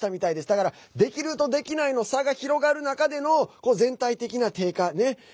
だから、できるとできないの差が広がる中での全体的な低下ね。